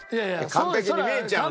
完璧に見えちゃうのよ。